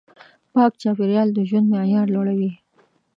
پاک چاپېریال د ژوند معیار لوړوي.